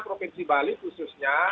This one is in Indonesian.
provinsi bali khususnya